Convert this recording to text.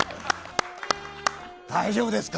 大丈夫ですか？